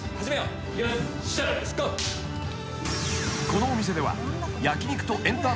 ［このお店では］